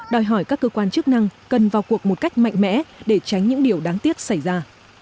đòi hỏi các cơ quan chức năng cần vào cuộc một cách mạnh mẽ để tránh những điều đáng tiếc xảy ra